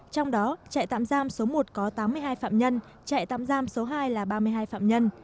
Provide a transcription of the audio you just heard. trong đó trại tạm giam số một có tám mươi hai phạm nhân chạy tạm giam số hai là ba mươi hai phạm nhân